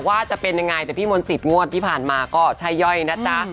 ว่าจะเป็นยังไงแต่พี่มนต์สิทธิงวดที่ผ่านมาก็ใช่ย่อยนะจ๊ะ